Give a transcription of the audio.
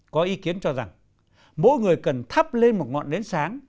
có ý kiến cho rằng mỗi người cần thắp lên một ngọn nến sáng